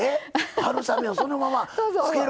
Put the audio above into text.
春雨をそのままつけるんですか。